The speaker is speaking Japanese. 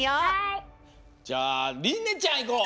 じゃありんねちゃんいこう。